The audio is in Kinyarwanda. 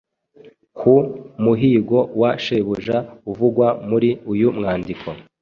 ku muhigo wa shebuja uvugwa muri uyu mwandiko.